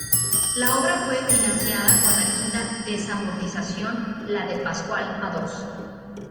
La obra fue financiada con la quinta desamortización, la de "Pascual Madoz".